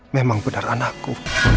memang benar anakku